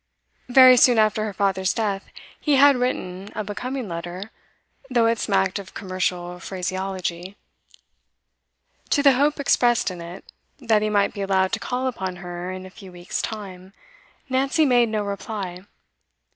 Very soon after her father's death he had written a becoming letter, though it smacked of commercial phraseology. To the hope expressed in it, that he might be allowed to call upon her in a few weeks' time, Nancy made no reply.